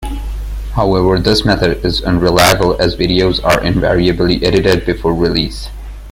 However, this method is unreliable, as videos are invariably edited before release.